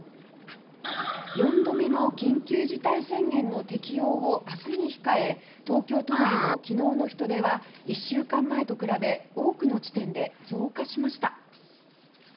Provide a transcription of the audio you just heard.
４度目の緊急事態宣言の発出をあすに控え東京都内のきのうの人出は１週間前と比べ多くの地点で増加しました。